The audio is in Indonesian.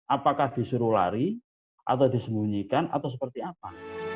apakah disuruh lari atau disembunyikan atau seperti apa